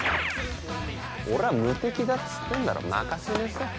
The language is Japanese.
俺は無敵だっつってんだろ任せなさい。